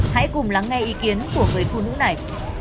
hãy cùng lắng nghe ý kiến của người phụ nữ này